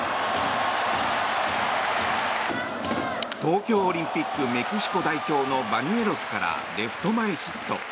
東京オリンピックメキシコ代表のバニュエロスからレフト前ヒット。